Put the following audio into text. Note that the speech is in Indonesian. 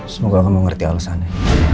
semoga kamu mengerti alasannya